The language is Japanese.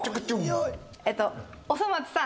えっと『おそ松さん』